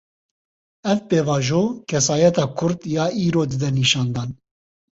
Ev pêvajo, kesayeta Kurd ya îro dide nîşandan